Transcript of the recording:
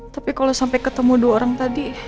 tapi kalo sampe ketemu dua orang tadi